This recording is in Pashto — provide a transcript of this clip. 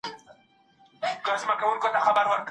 ډاکټر اوږده پاڼه ړنګه کړې ده.